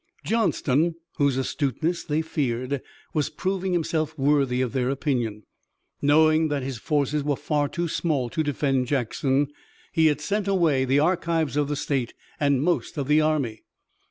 Johnston, whose astuteness they feared, was proving himself worthy of their opinion. Knowing that his forces were far too small to defend Jackson, he had sent away the archives of the state and most of the army.